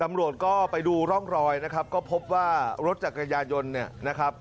ตำรวจก็ไปดูร่องรอยนะครับก็พบว่ารถจักรยานยนต์เนี่ยนะครับ